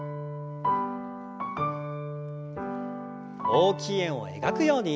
大きい円を描くように。